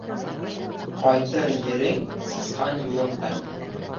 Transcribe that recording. Ҡайтыр ерең сысҡан юлындай.